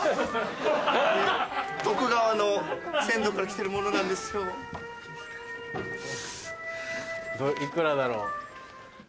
徳川の先祖から来てるものなんです。幾らだろう？